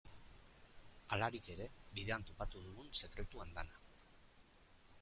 Halarik ere, bidean topatu dugun sekretu andana.